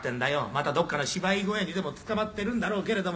またどこかの芝居小屋にでもつかまっているんだろうけれどもな。